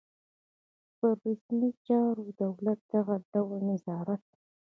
پر رسمي چارو د دولت دغه ډول نظارت.